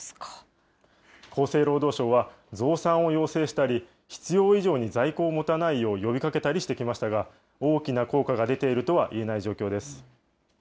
厚生労働省は、増産を要請したり、必要以上に在庫を持たないよう呼びかけたりしてきましたが、大きな効果が出ているとはいえない状況です。